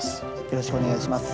よろしくお願いします。